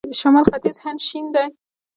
شمال ختیځ هند شین دی.